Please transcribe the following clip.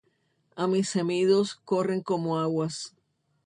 Y mis gemidos corren como aguas.